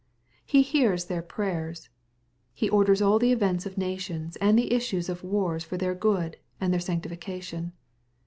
He hears their prayers. He orders all the events of nations and the issues of wars for their good, and their sanctification.